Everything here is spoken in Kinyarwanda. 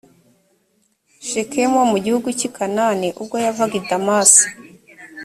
shekemu wo mu gihugu cy i kanani ubwo yavaga i damasi